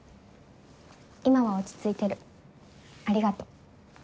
今は落ち着いてるありがとう。